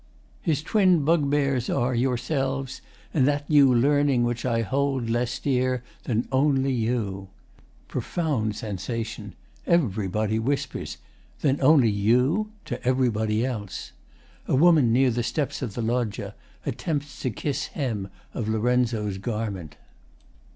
] His twin bug bears are Yourselves and that New Learning which I hold Less dear than only you. [Profound sensation. Everybody whispers 'Than only you' to everybody else. A woman near steps of Loggia attempts to kiss hem of LOR.'s garment.